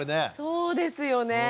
そうですよね。